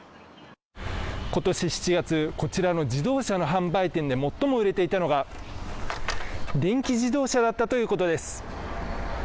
今年７月、こちらの自動車の販売店で最も売れていたのが電気自動車だったということです